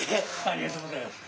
ありがとうございます。